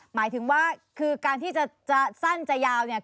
หมายถึงว่าคือการที่จะสั้นจะยาวเนี่ย